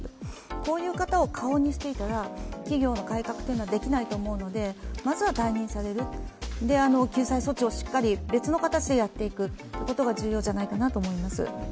こういう方を顔にしていたら、企業の改革というのはできないと思うのでまずは退任される、救済措置をしっかり別の形でやっていくことが重要じゃないかなと思います。